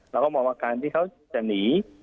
เราก็มองว่าการที่เขาจะหนี